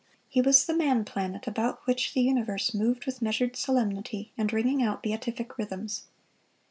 He was the man planet about which the universe moved with measured solemnity and ringing out beatific rhythms.